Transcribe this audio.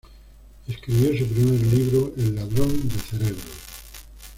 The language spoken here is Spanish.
Escribió su primer libro —"El ladrón de cerebros.